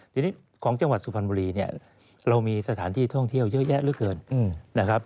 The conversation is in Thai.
ทีนี้ของจังหวัดสุพรรณบุรีเนี่ยเรามีสถานที่ท่องเที่ยวเยอะแยะเหลือเกินนะครับ